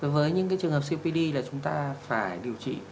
với những trường hợp cpd là chúng ta phải điều trị